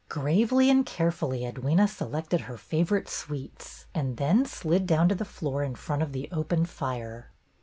Gravely and carefully Edwyna selected her favorite sweets and then slid down to the floor in front of the open fire.